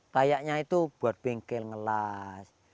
kayaknya itu buat bengkel nge light